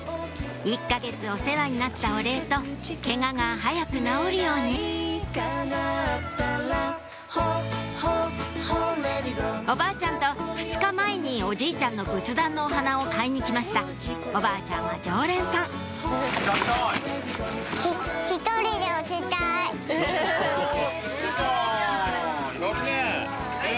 １か月お世話になったお礼とケガが早く治るようにおばあちゃんと２日前におじいちゃんの仏壇のお花を買いに来ましたおばあちゃんは常連さんおすごいじゃん！やるねぇ。